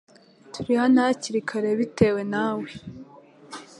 Turi hano hakiri kare bitewe nawe